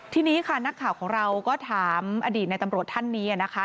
ทีนี้ค่ะนักข่าวของเราก็ถามอดีตในตำรวจท่านนี้นะคะ